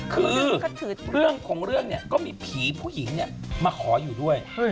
คือเรื่องของเรื่องเนี่ยก็มีผีผู้หญิงเนี่ยมาขออยู่ด้วย